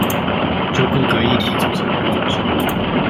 就各個議題組成工作小組